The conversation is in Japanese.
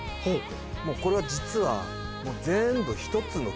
もうこれは実はもう全部。